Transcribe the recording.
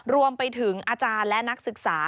รวมไปถึงอาจารย์และนักศึกษา